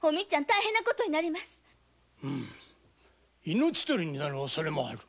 命取りになる恐れもある。